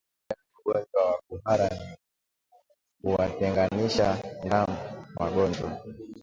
Namna ya kukabiliana na ugonjwa wa kuhara ni kuwatenganisha ndama wagonjwa